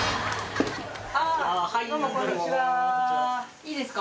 いいですか？